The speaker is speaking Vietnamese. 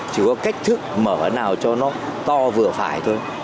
chỉ có cách thức mở phải nào cho nó to vừa phải thôi